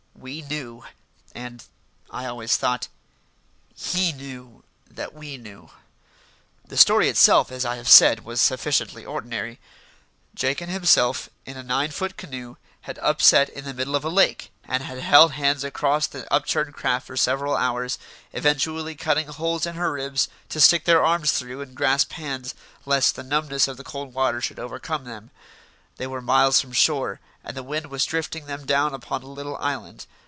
We knew; and, I always thought, he knew that we knew. The story itself, as I have said, was sufficiently ordinary. Jake and himself, in a nine foot canoe, had upset in the middle of a lake, and had held hands across the upturned craft for several hours, eventually cutting holes in her ribs to stick their arms through and grasp hands lest the numbness of the cold water should overcome them. They were miles from shore, and the wind was drifting them down upon a little island.